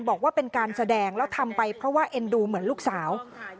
บอกว่าเป็นการแสดงแล้วทำไปเพราะว่าเอ็นดูเหมือนลูกสาว